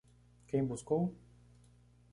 Quem buscou?